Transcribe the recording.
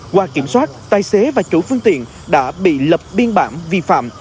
qua kiểm soát tài xế và chủ phương tiện đã bị lập biên bản vi phạm